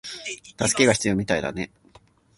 助けが必要みたいだね